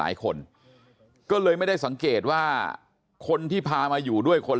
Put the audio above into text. แล้วก็ยัดลงถังสีฟ้าขนาด๒๐๐ลิตร